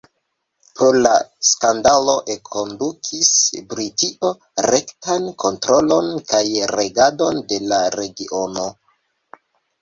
Pro la skandalo enkondukis Britio rektan kontrolon kaj regadon de la regiono.